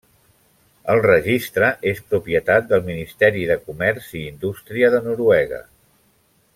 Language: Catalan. El registre és propietat del Ministeri de Comerç i Indústria de Noruega.